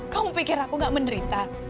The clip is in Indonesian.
kamu pikir aku gak menderita